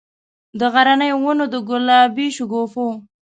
د غرنیو ونو، د ګلابي شګوفو،